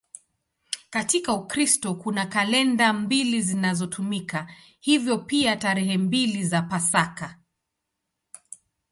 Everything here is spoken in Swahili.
Katika Ukristo kuna kalenda mbili zinazotumika, hivyo pia tarehe mbili za Pasaka.